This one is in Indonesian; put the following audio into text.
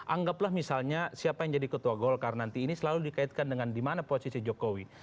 anggaplah misalnya siapa yang jadi ketua golkar nanti ini selalu dikaitkan dengan di mana posisi jokowi